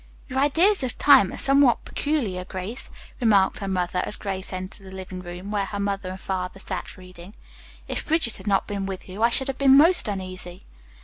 "Your ideas of time are somewhat peculiar, Grace," remarked her mother as Grace entered the living room, where her mother and father sat reading. "If Bridget had not been with you I should have been most uneasy."